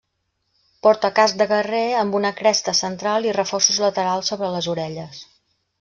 Porta casc de guerrer amb una cresta central i reforços laterals sobre les orelles.